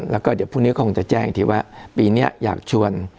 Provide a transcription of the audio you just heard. แล้วก็เดี๋ยวพรุ่งนี้คงจะแจ้งอีกทีว่าปีนี้อยากชวน